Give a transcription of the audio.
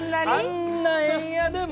あんなエンヤでも。